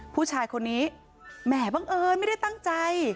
ผู้ชายคนนี้แหม่บังเอิญไม่ได้ตั้งใจ